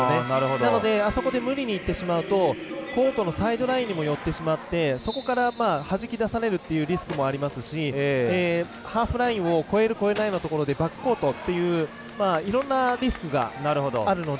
なので、あそこで無理にいってしまうとコートのサイドラインにも寄ってしまってそこから、はじき出されるというリスクもありますしハーフラインを越える越えないのところでバックコートといういろんなリスクがあるので。